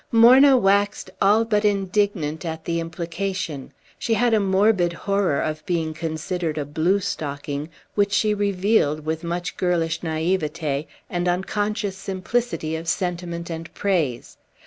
Morna waxed all but indignant at the implication; she had a morbid horror of being considered a "blue stocking," which she revealed with much girlish naïveté and unconscious simplicity of sentiment and praise.